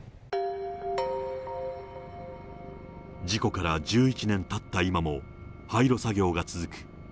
事故から１１年たった今も、廃炉作業が続く